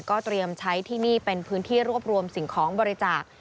เตรียมใช้ที่นี่เป็นพื้นที่รวบรวมสิ่งของบริจาค